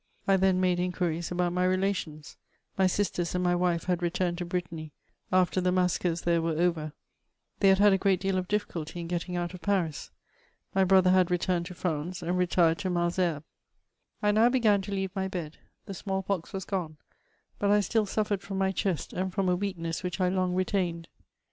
I then made inqoixica about my relations ; my asters and my wife had returned to Brittany, af^ the massacres there were over ; they had had a great deal of difficulty in getting out of Fazis. My bcother had returned to France, and retaxed to Malesherbea. I now began to leave my bed ; the smaH pox was gone ; but I still suffered from my chest, and from a weaknesa wbach I long retained.